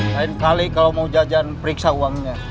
lain kali kalau mau jajan periksa uangnya